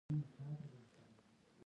توپک امن ختموي.